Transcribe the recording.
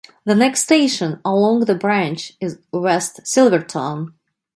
The next station along the branch is West Silvertown.